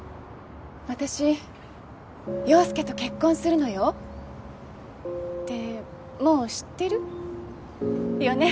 私陽佑と結婚するのよ。ってもう知ってる？よね。